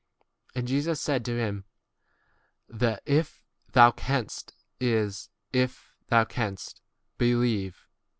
23 And Jesus said to him, The " if thou canst" is [if thou canst] be lieve.